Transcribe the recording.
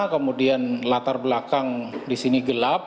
kemudian latar belakang di sini gelap